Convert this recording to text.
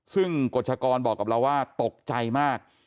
ซึ่งกฎชกรบอกกับเราว่าตกใจมาก